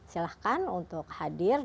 silahkan untuk hadir